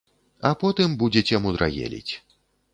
А потым будзеце мудрагеліць.